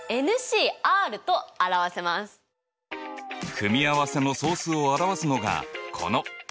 組合せの総数を表すのがこのＣだ。